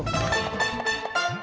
baiklah kalau begitu